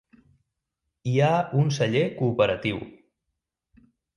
Hi ha un celler cooperatiu.